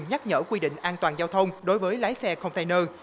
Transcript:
nhắc nhở quy định an toàn giao thông đối với lái xe container